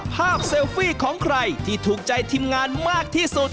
เซลฟี่ของใครที่ถูกใจทีมงานมากที่สุด